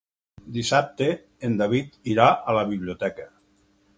Dissabte en David irà a la biblioteca.